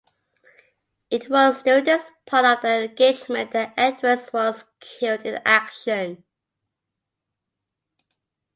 It was during this part of the engagement that Edwards was killed in action.